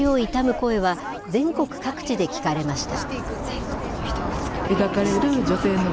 声は、全国各地で聞かれました。